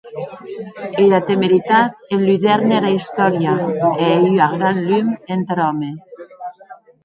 Era temeritat enludèrne ara istòria, e ei ua gran lum entar òme.